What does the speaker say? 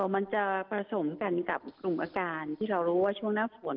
มันจะผสมกันกับกลุ่มอาการที่เรารู้ว่าช่วงหน้าฝน